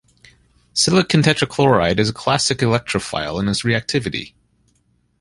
Silicon tetrachloride is a classic electrophile in its reactivity.